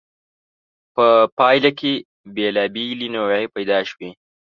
په پایله کې بېلابېلې نوعې پیدا شوې.